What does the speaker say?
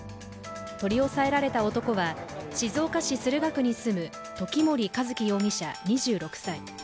取り押さえられた男は静岡市駿河区に住む時森一輝容疑者２６歳。